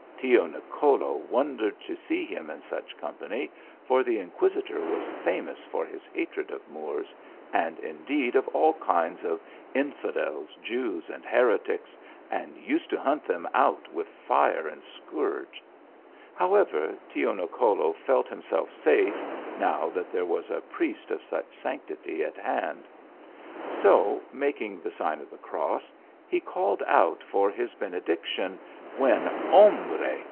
Tio Nicolo wondered to see him in such company ; for the in quisitor was famous for his hatred of Moors, and in deed of ail kinds of infidels, Jew" and heretics, and used to hunt them out with tire and scourge how ever, Tio Nicolo felt himself safe, now that there was a priest of such sanctity at hand. So, making the sign of the cross, he called out for his benediction, when hombre